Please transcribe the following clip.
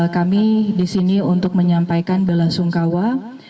kami di sini untuk menyampaikan belasungkawa